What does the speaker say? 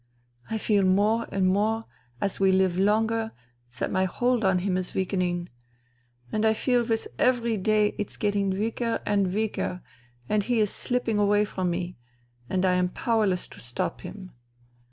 I feel more and more as we live longer that my hold on him is weakening. And I feel with every day it's getting weaker and weaker, and he is slipping away from me, and I am powerless to stop him.